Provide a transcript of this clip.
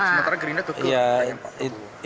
sementara gerindra tutup